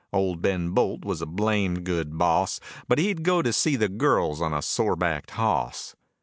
Old Ben Bolt was a blamed good boss, But he'd go to see the girls on a sore backed hoss.